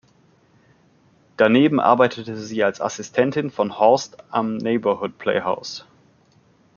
Daneben arbeitete sie als Assistentin von Horst am Neighborhood Playhouse.